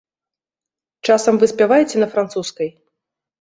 Часам вы спяваеце на французскай?